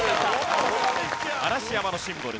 嵐山のシンボル